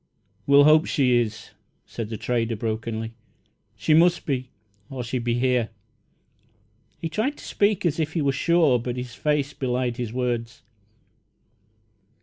"We'll hope she is," said the trader, brokenly. "She must be, or she'd be here!" He tried to speak as if he were sure, but his face belied his words.